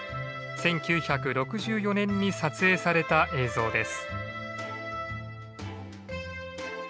１９６４年に撮影された映像です。